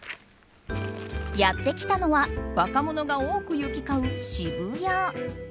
やってきたのは若者が多く行き交う渋谷。